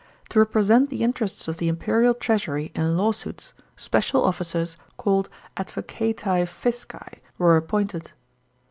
To represent the interests of the imperial treasury in law suits, special officers, called advocati fisci, were appointed.